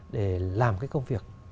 để làm cái công việc